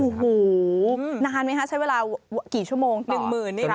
สนุนโดยอีซุสุข